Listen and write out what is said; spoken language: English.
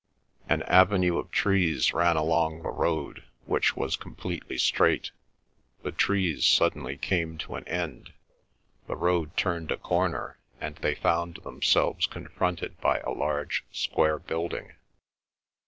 An avenue of trees ran along the road, which was completely straight. The trees suddenly came to an end; the road turned a corner, and they found themselves confronted by a large square building.